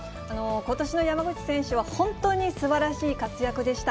ことしの山口選手は、本当にすばらしい活躍でした。